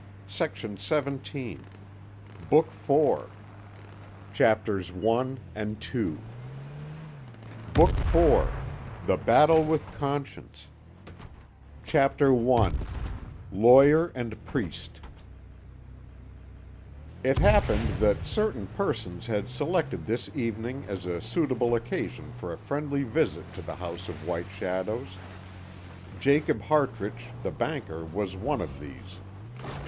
How could you have kept away from me so long?" BOOK IV. THE BATTLE WITH CONSCIENCE CHAPTER I LAWYER AND PRIEST It happened that certain persons had selected this evening as a suitable occasion for a friendly visit to the House of White Shadows; Jacob Hartrich, the banker, was one of these.